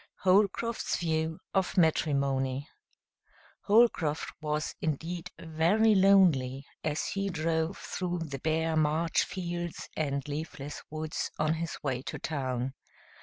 Holcroft's View of Matrimony Holcroft was indeed very lonely as he drove through the bare March fields and leafless woods on his way to town.